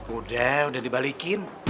udah udah dibalikin